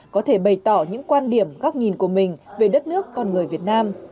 có thể bày tỏ những quan điểm góc nhìn của mình về đất nước con người việt nam